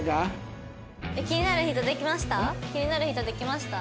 気になる人できました？